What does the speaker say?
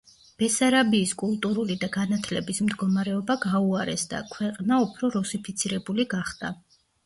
ბესარაბიის კულტურული და განათლების მდგომარეობა გაუარესდა, ქვეყნა უფრო რუსიფიცირებული გახდა.